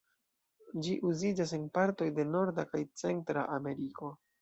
Ĝi uziĝas en partoj de Norda kaj Centra Ameriko.